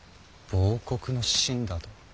亡国の臣だと？